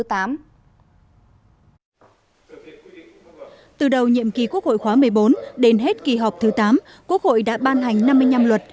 từ đầu nhiệm kỳ quốc hội khóa một mươi bốn đến hết kỳ họp thứ tám quốc hội đã ban hành năm mươi năm luật